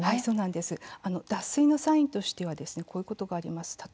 脱水のサインとしてはこういうことがあります。